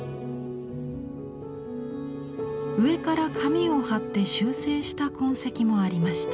上から紙を貼って修正した痕跡もありました。